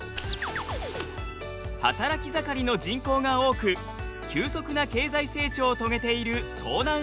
働き盛りの人口が多く急速な経済成長を遂げている東南アジア。